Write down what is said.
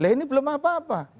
ini belum apa apa